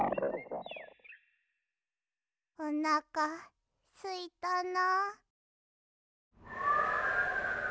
おなかすいたな。